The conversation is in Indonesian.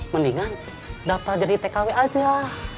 mendingan daftar jadi tkw aja